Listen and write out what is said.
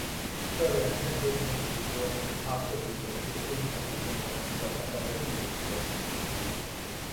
这软件支持许多其他字体格式并从一种格式转换到另一种格式。